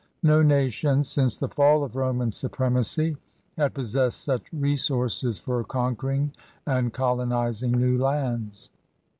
No nation since the fall of Roman supremacy had possessed such resources for conquering and colonizing new lands.